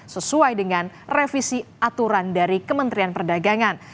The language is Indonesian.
sesuai dengan revisi aturan dari kementerian perdagangan